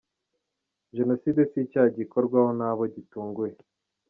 Jenoside si icyaha gikorwa n’abo gitunguye.